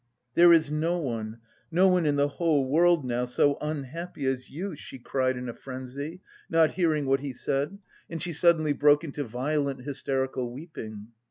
"There is no one no one in the whole world now so unhappy as you!" she cried in a frenzy, not hearing what he said, and she suddenly broke into violent hysterical weeping.